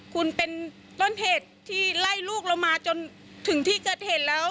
คุณเป็นต้นเหตุที่ไล่ลูกเรามาจนถึงที่เกิดเหตุแล้ว